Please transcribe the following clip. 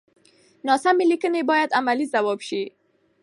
ناسمې ليکنې بايد علمي ځواب شي.